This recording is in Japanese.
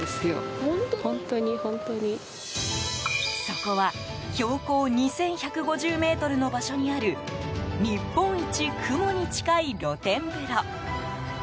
そこは標高２１５０ｍの場所にある日本一雲に近い露天風呂。